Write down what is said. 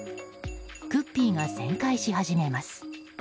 クッピーが旋回し始めます。